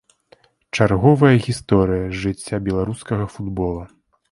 Чарговая гісторыя з жыцця беларускага футбола.